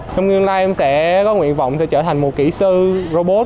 trong ngày hôm nay em sẽ có nguyện vọng sẽ trở thành một kỹ sư robot